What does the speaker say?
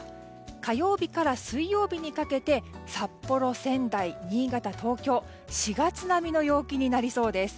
火曜日から水曜日にかけて札幌、仙台、新潟、東京４月並みの陽気になりそうです。